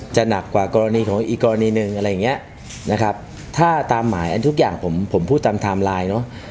หนักกว่ากรณีของอีกกรณีหนึ่งอะไรอย่างเงี้ยนะครับถ้าตามหมายอันทุกอย่างผมผมพูดตามไทม์ไลน์เนอะ